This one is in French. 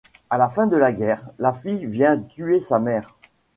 À la fin de la guerre, la fille vient tuer sa mère.